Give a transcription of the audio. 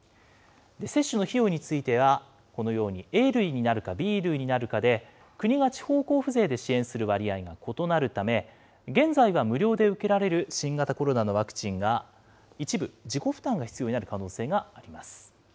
接種の費用については、このようにＡ類になるか、Ｂ類になるかで、国が地方交付税で支援する割合が異なるため、現在は無料で受けられる新型コロナのワクチンが、一部自己負担が必要になる可能性があります。